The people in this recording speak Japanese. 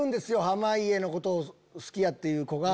濱家のことを好きっていう子が。